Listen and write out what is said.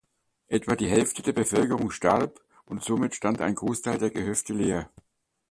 Etwa die Hälfte der Bevölkerung starb und somit stand ein Großteil der Gehöfte leer.